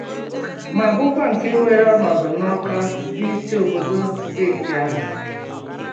ma bụrkwa nke weere ọnọdụ n'Awka bụ isi obodo steeti ahụ.